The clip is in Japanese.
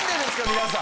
皆さん。